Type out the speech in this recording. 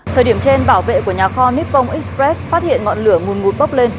thời điểm trên bảo vệ của nhà kho nippon express phát hiện ngọn lửa ngùn ngút bóp lên